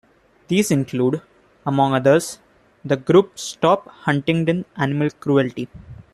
These include, among others, the group Stop Huntingdon Animal Cruelty.